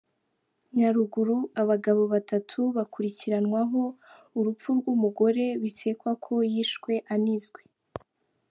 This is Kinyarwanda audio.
Nyaruguru: Abagabo batatu bakurikiranyweho urupfu rw’ umugore bikekwa ko yishwe anizwe.